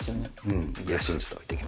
うん。